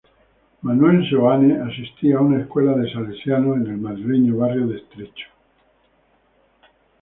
Manuel Seoane asistía a una escuela de Salesianos en el madrileño barrio de Estrecho.